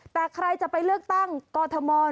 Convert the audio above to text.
แต่ใครจะไปเลือกตั้งกอทม